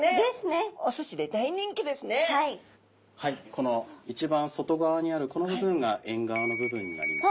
はいこの一番外側にあるこの部分がエンガワの部分になります。